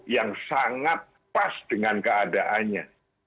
yang sangat pas dengan keadaannya